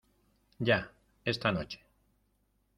ya. esta noche .